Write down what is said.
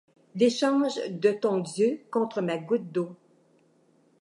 L’échange de ton Dieu contre ma goutte d’eau.